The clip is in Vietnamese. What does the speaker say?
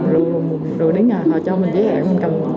rồi đến nhà họ cho mình giấy hẹn mình cầm